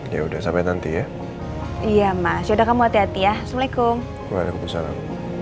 ya udah sampai nanti ya iya mas sudah kamu hati hati ya assalamualaikum waalaikumsalam